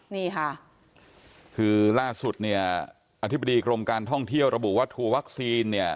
นี่ค่ะคือล่าสุดเนี่ยอธิบดีกรมการท่องเที่ยวระบุว่าทัวร์วัคซีนเนี่ย